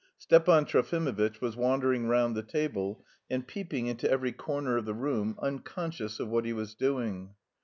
Stepan Trofimovitch was wandering round the table and peeping into every corner of the room, unconscious of what he was doing.